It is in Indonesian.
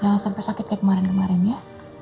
jangan sampai sakit kayak kemarin kemarin ya